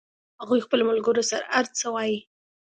هغوی خپلو ملګرو سره هر څه وایي